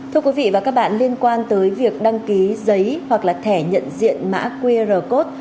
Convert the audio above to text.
thưa quý vị và các bạn liên quan tới việc đăng ký giấy hoặc là thẻ nhận diện mã qr code